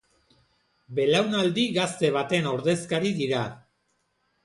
Belaunaldi gazte baten ordezkari dira.